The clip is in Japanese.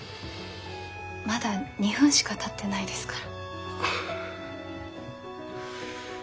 まだ２分しかたってないですから。